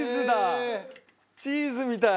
チーズみたい。